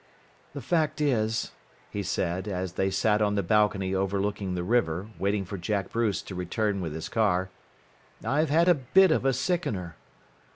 "The fact is," he said, as they sat on the balcony overlooking the river, waiting for Jack Bruce to return with his car, "I've had a bit of a sickener."